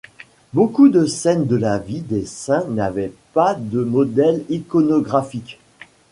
Beaucoup de scènes de la vie des saints n'avaient pas de modèles iconographiques.